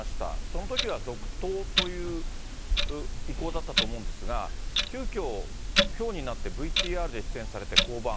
そのときは続投という意向だったと思うんですが、急きょ、きょうになってＶＴＲで出演されて降板。